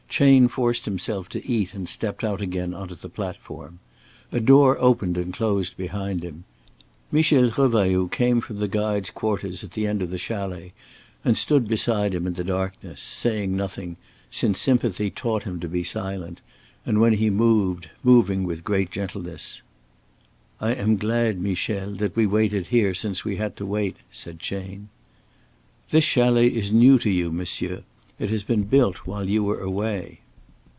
Chayne forced himself to eat and stepped out again on to the platform. A door opened and closed behind him. Michel Revailloud came from the guides' quarters at the end of the chalet and stood beside him in the darkness, saying nothing since sympathy taught him to be silent, and when he moved moving with great gentleness. "I am glad, Michel, that we waited here since we had to wait," said Chayne. "This chalet is new to you, monsieur. It has been built while you were away."